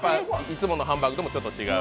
いつものハンバーグともちょっと違う？